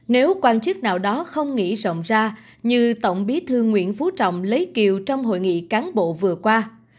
nếu quan chức nào đó không nghĩ rộng ra như tổng bí thư nguyễn phú trọng lấy kiều trong hội nghị cán bộ vừa qua